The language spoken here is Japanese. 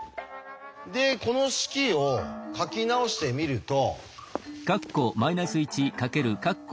でこの式を書き直してみると。